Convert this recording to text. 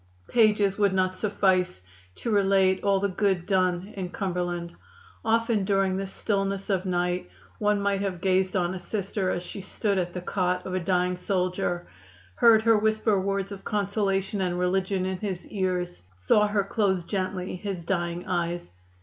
Pages would not suffice to relate all the good done in Cumberland. Often during the stillness of night one might have gazed on a Sister as she stood at the cot of a dying soldier, heard her whisper words of consolation and religion in his ears, saw her close gently his dying eyes.